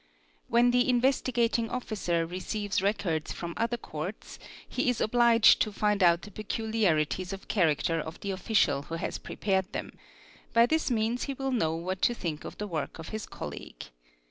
When the Investigating Officer receives records from other Courts he is obliged to find out the peculiarities of character of the official who has prepared them; by this means he will know what 'to think of the work of his colleague.